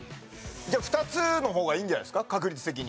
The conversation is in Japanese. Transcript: じゃあ２つの方がいいんじゃないですか確率的に。